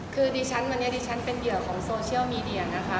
คือวันนี้ดิฉันเป็นเดี่ยวของโซเชียลมีเดียนะคะ